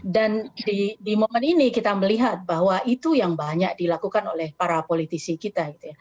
dan di momen ini kita melihat bahwa itu yang banyak dilakukan oleh para politisi kita